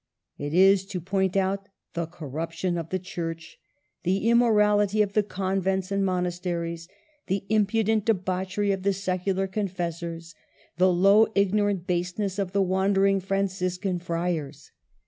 It is to point out the corruption of the Church, the immo rality of the convents and monasteries, the im pudent debauchery of the secular confessors, the low ignorant baseness of the wandering Franciscan friars.